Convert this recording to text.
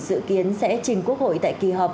dự kiến sẽ trình quốc hội tại kỳ họp